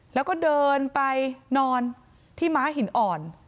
แล้วก็เดินไปนอนที่ม้าหินอ่อน